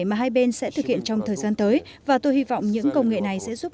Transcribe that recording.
mà hai bên sẽ thực hiện trong thời gian tới và tôi hy vọng những công nghệ này sẽ giúp